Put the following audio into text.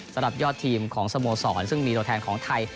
สำหรับยอดทีมของสโมสรซึ่งมีตัวแทนของไทย